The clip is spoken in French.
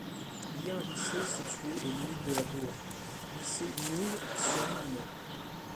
Il y a un lycée situé aux limites de la bourg: Lycée Ningxiang No.